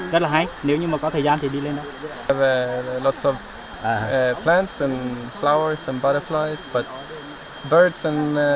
rất là hay nếu như có thời gian thì đi lên đó